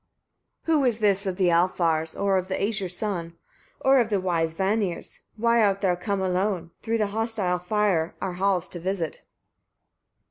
17. Who is this of the Alfar's, or of the Æsir's sons, or of the wise Vanir's? Why art thou come alone, through the hostile fire, our halls to visit?